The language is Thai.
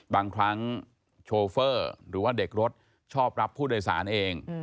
บางครั้งโชเฟอร์หรือว่าเด็กรถชอบรับผู้โดยสารเอง